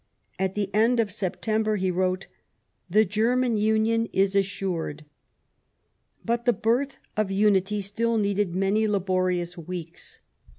At the end of September he wrote: "The German Union is assured." But the birth of unity still needed many laborious weeks.